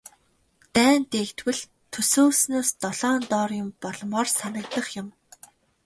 Дайн дэгдвэл төсөөлснөөс долоон доор юм болмоор санагдах юм.